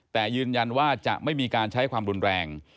แต่ยืนยันว่าจะไม่มีการใช้ความรุนแรง